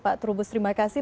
pak trubus terima kasih